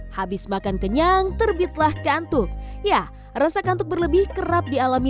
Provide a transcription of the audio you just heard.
habis makan kenyang terbitlah kantuk ya rasa kantuk berlebih kerap dialami